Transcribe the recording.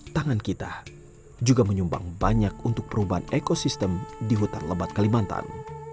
tangan kita juga menyumbang banyak untuk perubahan ekosistem di hutan lebat kalimantan